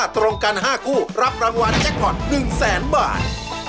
ตรงกัน๕คู่รับรางวัลแจ็คพอร์ต๑แสนบาท